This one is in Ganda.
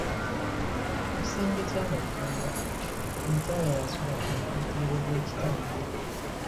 Mu kisenge ky’abafumbo, omukyala y’asula ku mugguukiriro gw’ekitanda.